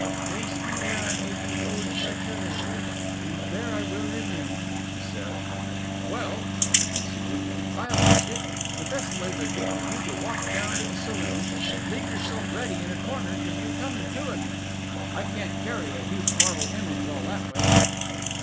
"Place me where I may behold you at your labour, and there I will remain," she said. "Well," he conceded, "I'll risk it. The best way would be for you to walk down to the saloon, and leave yourself ready in a corner till you come to again. I can't carry a heavy marble image all that way!"